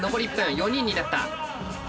４人になった。